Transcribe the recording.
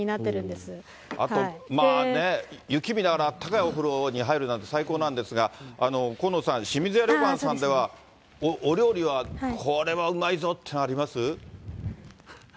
あと、雪見ながらあったかいお風呂に入るなんて最高なんですが、今野さん、清水屋旅館さんでは、お料理は、これはうまいぞっていうのはあります？